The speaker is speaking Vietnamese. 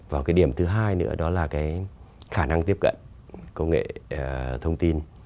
và cái điểm thứ hai nữa đó là cái khả năng tiếp cận công nghệ thông tin